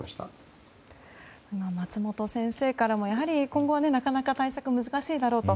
松本先生からも、今後はなかなか対策が難しいだろうと。